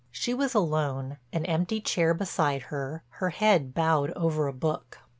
She was alone, an empty chair beside her, her head bowed over a book.